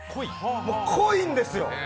濃いんですよ。